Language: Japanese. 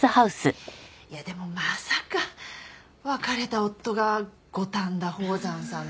いやでもまさか別れた夫が五反田宝山さんだなんてね。